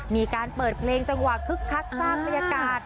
มีการเปิดเพลงจังหวะคึกคักสร้างบรรยากาศ